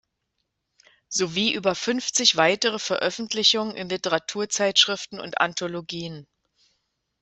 Sowie über fünfzig weitere Veröffentlichungen in Literaturzeitschriften und Anthologien.